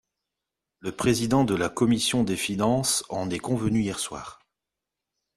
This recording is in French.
Le président de la commission des finances en est convenu hier soir.